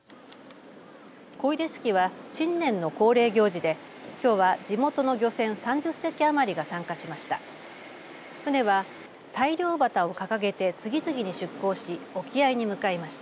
漕出式は新年の恒例行事できょうは地元の漁船３０隻余りが参加しました。